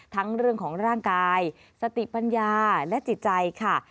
ทั้งเรื่องของร่างกายสติปัญญาและจิตใจค่ะ